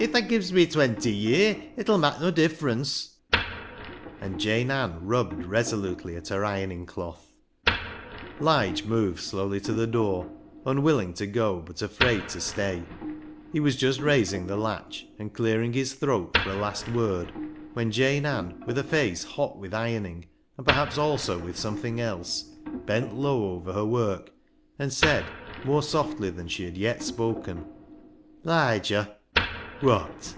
" If thaa gi'es me twenty ye'r, it 'ull mak' noa difference," and Jane Ann rubbed resolutely at her ironing cloth. Lige moved slowly to the door, unwilling to go, but afraid to stay. He was just raising the latch and clearing his throat for a last word, when Jane Ann, with a face hot with ironing, and perhaps also with something else, bent low over her work, and said more softly than she had yet spoken —■" Liger." "Wot?"